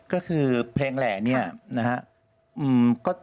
ก็คือเพลงแหละนี่นะฮะ